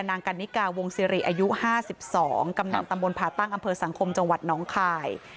นางกันนิกาวงศิริอายุ๕๒กำนันตำบลผ่าตั้งอำเภอสังคมจังหวัดน้องคาย